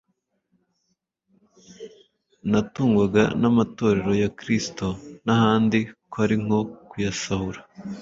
Natungwaga n’amatorero ya Kristo y’ahandi- kwari nko kuyasahura